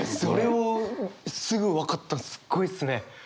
それをすぐ分かったのすごいっすね！